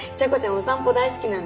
お散歩大好きなんです。